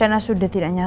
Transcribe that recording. tapi aku sudah selamat